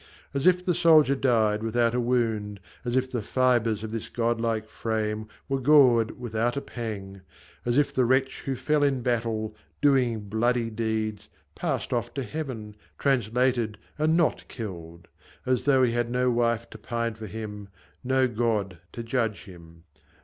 As if the soldier died without a wound ; As if the fibres of this godlike frame Were gored without a pang ; as if the wretch, Who fell in battle, doing bloody deeds, Passed off to Heaven, translated and not killed ; As though he had no wife to pine for him, No God to judge him